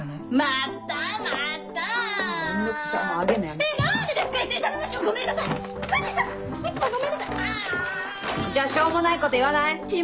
あ。じゃしょうもないこと言わない？